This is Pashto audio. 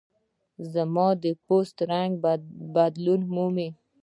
یا زما د پوستکي رنګ بدلون ومومي.